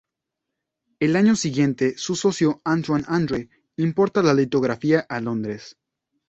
El año siguiente, su socio, Antoine Andre, importa la litografía a Londres.